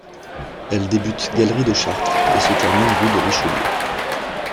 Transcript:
Elle débute galerie de Chartres et se termine rue de Richelieu.